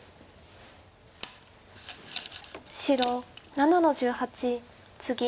白７の十八ツギ。